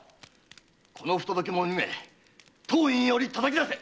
この不届き者二名当院より叩き出せ！